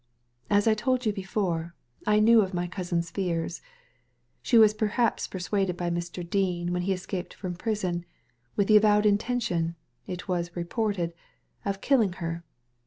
^ As I told you before, I knew of my cousin's fears* She was perhaps pursued by Mr. Dean when he escaped from prison, with the avowed intention — it was reported — of killing her.